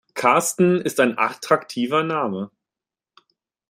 Karsten ist ein attraktiver Name.